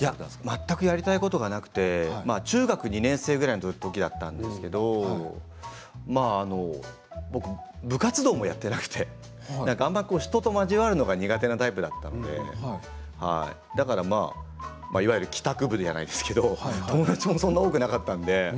全くやりたいことがなくて中学２年生のときだったんですけど部活動もやっていなくてあまり人と交わるのが苦手なタイプだったのでいわゆる帰宅部じゃないですけど友達もそんなに多くなかったので。